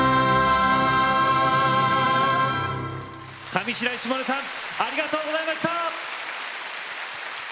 上白石萌音さんありがとうございました。